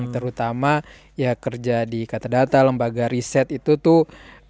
terutama ya kerja di katedata lembaga riset itu tuh